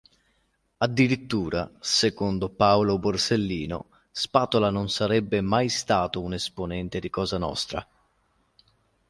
Addirittura, secondo Paolo Borsellino, Spatola non sarebbe mai stato un esponente di Cosa nostra.